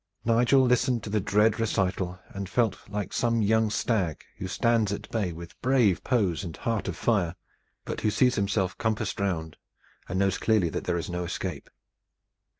Nigel listened to the dread recital, and felt like some young stag who stands at bay with brave pose and heart of fire, but who sees himself compassed round and knows clearly that there is no escape.